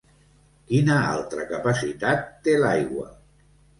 Quina altre capacitat té l'aigua?